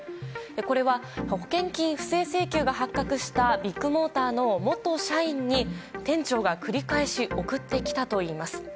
これは、保険金不正請求が発覚した、ビッグモーターの元社員に店長が、繰り返し送ってきたといいます。